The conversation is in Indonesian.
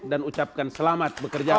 dan ucapkan selamat bekerjaan